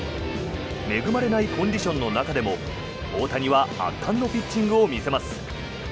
恵まれないコンディションの中でも大谷は圧巻のピッチングを見せます。